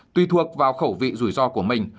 tuy thuộc vào khẩu vị rủi ro của mình